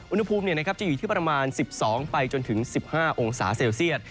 อุณหภูมิจะอยู่ที่ประมาณ๑๒ไปจนถึง๑๕องศาเซลเซียต